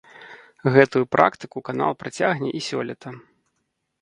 Гэтую практыку канал працягне і сёлета.